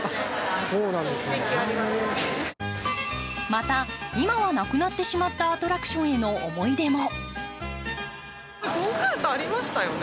また、今はなくなってしまったアトラクションへの思い出も。